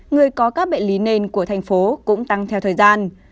người có các bệnh lý nền của thành phố cũng tăng theo thời gian